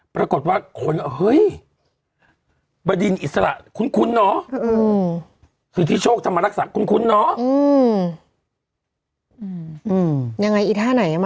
ปรากฏว่าคนก็เฮ้ยบดินอิสระคุ้นเนอะคือที่โชคธรรมรักษาคุ้นเนาะ